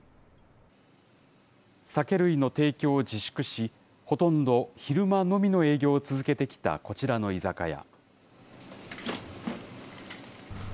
酒類の提供を自粛し、ほとんど昼間のみの営業を続けてきたこちらの居酒屋。